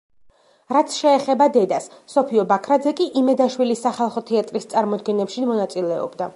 რაც შეეხება დედას, სოფიო ბაქრაძე კი იმედაშვილის სახალხო თეატრის წარმოდგენებში მონაწილეობდა.